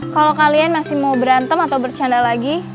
kalau kalian masih mau berantem atau bercanda lagi